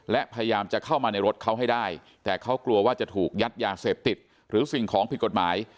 และพยายามจะเข้ามาในรถเขาให้ได้แต่เขากลัวว่าจะถูกยัดยาเสพติดหรือสิ่งของผิดกฎหมาย